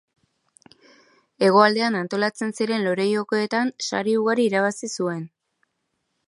Hegoaldean antolatzen ziren Lore Jokoetan sari ugari irabazi zuen.